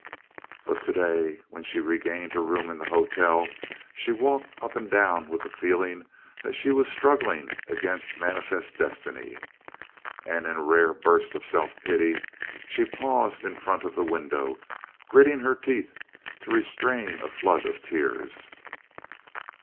But today, when she regained her room in the hotel, she walked up and down with the feeling that she was struggling against manifest destiny. And in a rare burst of self pity, she paused in front of the window, gritting her teeth to restrain a flood of tears.